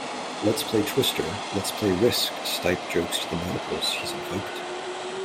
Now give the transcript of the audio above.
'Let's play Twister, let's play Risk,' Stipe jokes to the notables he's invoked.